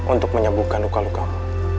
untuk menyembuhkan luka lukamu